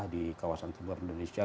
di kawasan timur indonesia